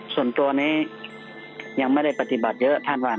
ส่วนตัวนี้ยังไม่ได้ปฏิบัติเยอะท่านว่า